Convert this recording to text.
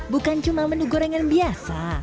bukan cuma menu gorengan biasa